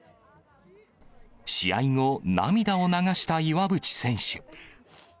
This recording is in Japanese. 試合後、涙を流した岩渕選手。